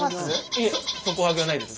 いえ底上げはないです。